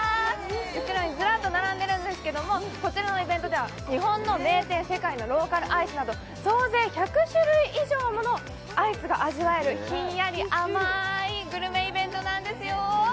後ろにずらっと並んでいるんですけど、こちらのイベントでは日本の名店、世界のローカルアイスなど、総勢１００種類以上ものアイスが味わえるひんやり甘いグルメイベントなんですよ。